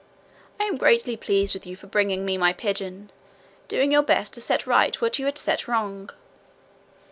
I am greatly pleased with you for bringing me my pigeon, doing your best to set right what you had set wrong.'